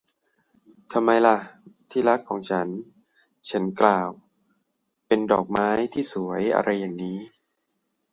ทำไมล่ะ ที่รักของฉัน ฉันกล่าว เป็นดอกไม้ที่สวยอะไรอย่างนี้